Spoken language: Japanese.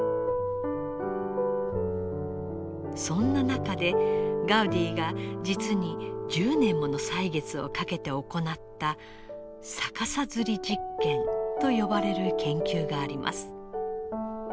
そんな中でガウディが実に１０年もの歳月をかけて行った逆さづり実験と呼ばれる研究があります。